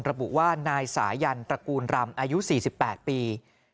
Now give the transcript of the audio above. ระบุว่านายสายันตระกูลรำอายุ๔๘ปี